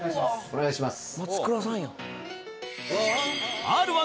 お願いします。